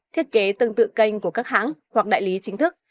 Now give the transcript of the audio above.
thiết kế tương tự kênh của các hãng hoặc đại lý chính thức